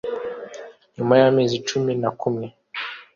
Nyuma y'amezi cumi na kumwe,